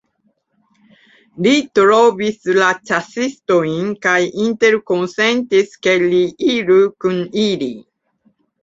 Li trovis la ĉasistojn kaj interkonsentis ke li iru kun ili.